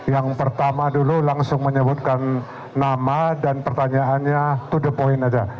yang pertama dulu langsung menyebutkan nama dan pertanyaannya to the point aja